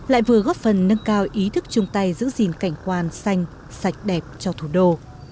lại vừa góp phần nâng cao ý thức chung tay giữ gìn cảnh quan xanh sạch đẹp cho thủ đô